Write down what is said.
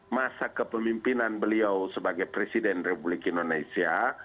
masa kepemimpinan beliau sebagai presiden republik indonesia